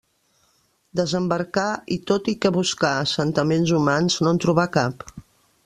Desembarcà i tot i que buscà assentaments humans no en trobà cap.